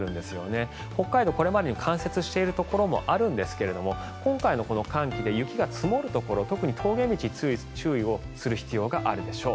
これまでに冠雪しているところもあるんですが今回の寒気で雪が積もるところ特に峠道注意をする必要があるでしょう。